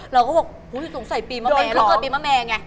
เราก็บอกโอ้ยสงสัยปีมะแมร้ออก